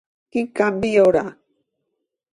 Quin canvi hi haurà?